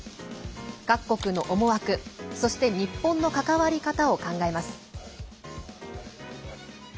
各国の思惑そして日本の関わり方を考えます。